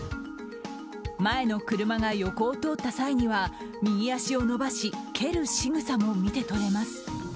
前の車が横を通った際には右足を伸ばし蹴るしぐさも見て取れます。